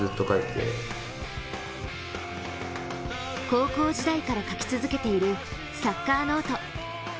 高校時代から書き続けているサッカーノート。